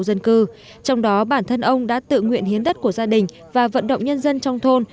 dân cư trong đó bản thân ông đã tự nguyện hiến đất của gia đình và vận động nhân dân trong thôn